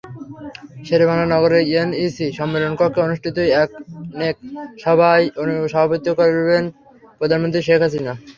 শেরেবাংলা নগরের এনইসি সম্মেলনকক্ষে অনুষ্ঠিত একনেক সভায় সভাপতিত্ব করেন প্রধানমন্ত্রী শেখ হাসিনা।